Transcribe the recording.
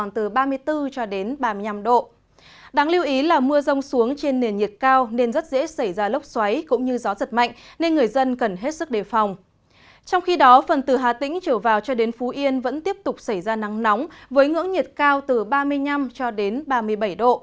từ hà tĩnh trở vào cho đến phú yên vẫn tiếp tục xảy ra nắng nóng với ngưỡng nhiệt cao từ ba mươi năm cho đến ba mươi bảy độ